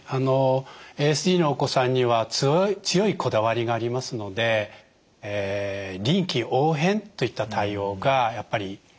ＡＳＤのお子さんには強いこだわりがありますので臨機応変といった対応がやっぱり苦手なんですね。